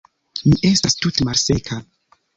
Mi estas tute malseka.